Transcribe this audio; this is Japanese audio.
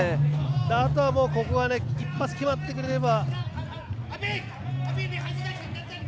あとは一発決まってくれれば。